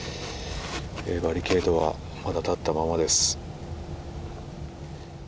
バリケードはまだ立ったままです。